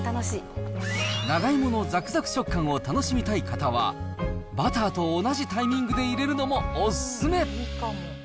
長芋のざくざく食感を楽しみたい方は、バターと同じタイミングで入れるのもお勧め。